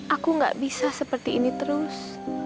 aku gak bisa seperti ini terus